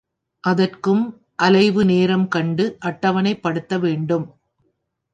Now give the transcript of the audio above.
அதற்கும் அலைவு நேரம் கண்டு அட்டவணைப்படுத்த வேண்டும்.